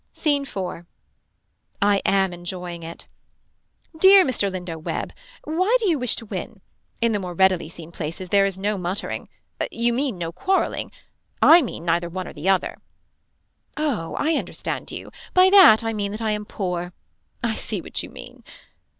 Scene 4. I am enjoying it. Dear Mr. Lindo Webb. Why do you wish to win. In the more readily seen places there is no muttering. You mean no quarreling. I mean neither one or the other. Oh I understand you. By that I mean that I am poor. I see what you mean.